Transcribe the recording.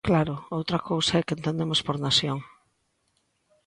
Claro, outra cousa é que entendemos por nación.